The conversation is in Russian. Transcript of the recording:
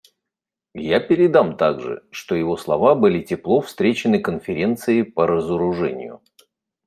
Я передам также, что его слова были тепло встречены Конференцией по разоружению.